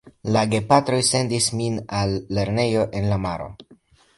La gepatroj sendis min al lernejo en la maro.